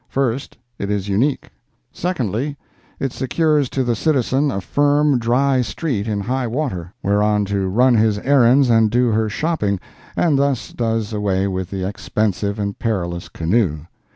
First—It is unique. Secondly—It secures to the citizen a firm, dry street in high water, whereon to run his errands and do her shopping, and thus does away with the expensive and perilous canoe.